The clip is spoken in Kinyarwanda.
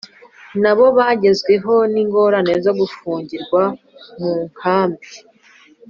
na bo bagezweho n ingorane zo gufungirwa mu nkambi